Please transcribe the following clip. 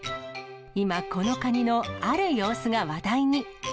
今、このカニのある様子が話題に。